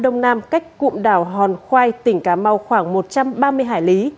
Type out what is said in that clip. đông nam cách cụm đảo hòn khoai tỉnh cà mau khoảng một trăm ba mươi hải lý